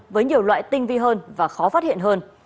với nhiều loại tinh vi hơn và khó phát hiện hơn